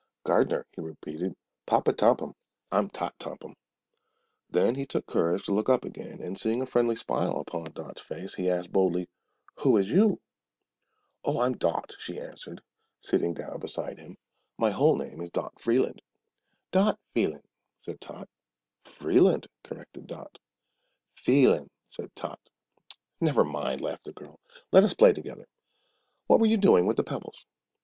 "Gard'ner," he repeated. "Papa Tompum. I'm Tot Tompum." Then he took courage to look up again, and seeing a friendly smile upon Dot's face he asked boldly, "Who is you?" "Oh, I'm Dot," she answered, sitting down beside him. "My whole name is Dot Freeland." "Dot F'eelan'," said Tot. "Freeland," corrected Dot. "F'eelan'," said Tot. "Never mind," laughed the girl; "let us play together. What were you doing with the pebbles?"